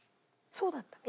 そうだったっけ？